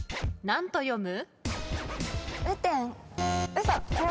何と読む？